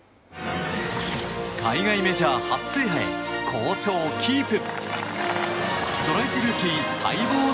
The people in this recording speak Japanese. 海外メジャー初制覇へ好調キープ。